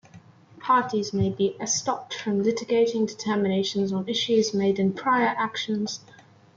Parties may be estopped from litigating determinations on issues made in prior actions.